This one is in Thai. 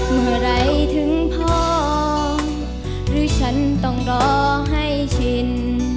เมื่อไหร่ถึงพอหรือฉันต้องรอให้ชิน